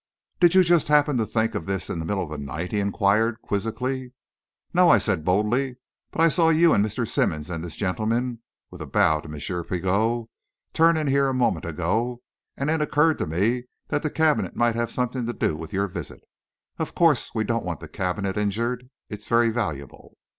"Did you just happen to think of this in the middle of the night?" he inquired quizzically. "No," I said, boldly; "but I saw you and Mr. Simmonds and this gentleman" with a bow to M. Pigot "turn in here a moment ago, and it occurred to me that the cabinet might have something to do with your visit. Of course, we don't want the cabinet injured. It is very valuable."